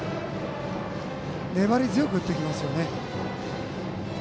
粘り強く打ってきますね。